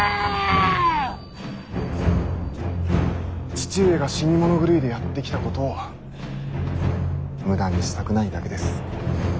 父上が死に物狂いでやってきたことを無駄にしたくないだけです。